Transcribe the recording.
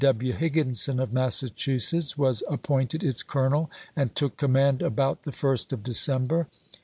T. W. p 276. Higginson, of Massachusetts, was appointed its colonel, and took command about the 1st of De cember.